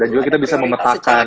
dan juga kita bisa memetakan